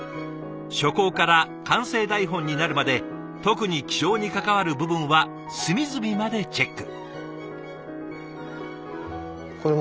初稿から完成台本になるまで特に気象に関わる部分は隅々までチェック。